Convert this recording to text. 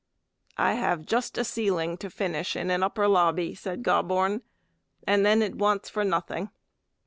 "I have just a ceiling to finish in an upper lobby," said Gobborn, "and then it wants nothing."